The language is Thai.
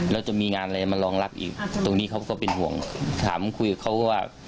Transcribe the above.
แล้วจะมีงานอะไรมารองรับอีกตรงนี้เขาก็เป็นห่วงถามคุยกับเขาว่า